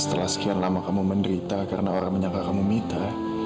setelah sekian lama kamu menderita karena orang menyangka kamu minta